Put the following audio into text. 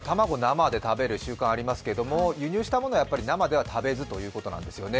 日本人というのは卵を生で食べる習慣がありますけれども、輸入したものは、やはり生では食べずということなんですよね。